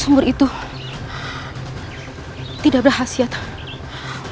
aku juga berpikir tentang leather yang kau hilangkan